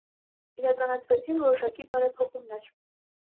Իրականացվեցին որոշակի բարեփոխումներ։